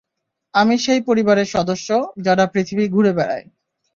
আমি সেই পরিবারের সদস্য, যারা পৃথিবী ঘুরে বেড়ায়।